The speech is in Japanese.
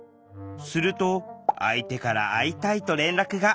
すると相手から「会いたい」と連絡が。